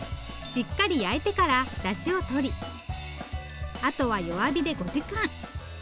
しっかり焼いてからだしをとりあとは弱火で５時間。